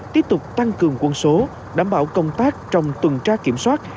tiếp tục tăng cường quân số đảm bảo công tác trong tuần tra kiểm soát